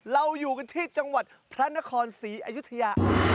เราอยู่กันที่จังหวัดพระนครศรีอยุธยา